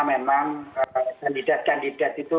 memang kandidat kandidat itu